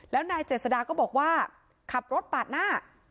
แล้วนายเจษดาก็บอกว่าขับรถปาดหน้า